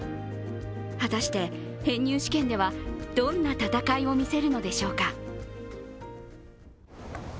果たして編入試験では、どんな戦いを見せるのでしょうか？